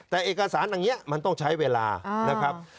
แต่เอกสารอย่างนี้มันต้องใช้เวลานะครับ